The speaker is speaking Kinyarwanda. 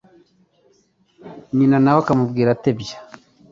nyina na we akamubwira atebya